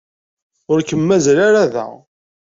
Ur kem-mazal ara da.